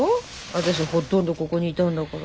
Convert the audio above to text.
私ほとんどここにいたんだから。